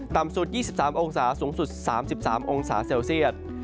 ต่ำสุด๒๓องศาสูงสุด๓๓องศาเซลเซียต